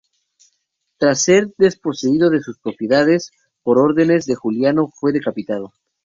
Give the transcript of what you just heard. Tras ser desposeído de sus propiedades por órdenes de Juliano fue decapitado.